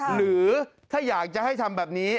หรือถ้าอยากจะให้ทำแบบนี้